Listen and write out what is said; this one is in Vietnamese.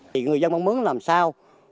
thì người dân mong muốn làm sao